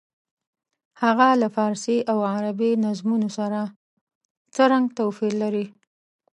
هغه له فارسي او عربي نظمونو سره څرګند توپیر لري.